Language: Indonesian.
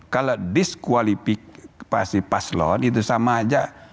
kalau diskualifikasi paslon itu sama aja